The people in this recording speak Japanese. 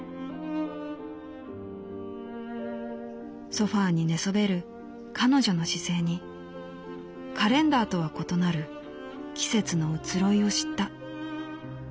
「ソファにねそべる彼女の姿勢にカレンダーとは異なる季節の移ろいを知った」。